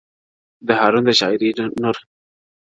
د هارون د شاعري نور